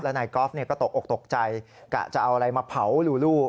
นายกอล์ฟก็ตกออกตกใจกะจะเอาอะไรมาเผาลูลู